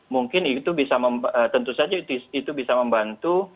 mungkin itu bisa tentu saja itu bisa membantu